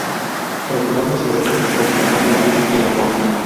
Procurando sobre todo, prolongar la vida y el amor.